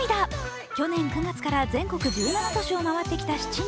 去年９月から全国１７都市を回ってきた７人。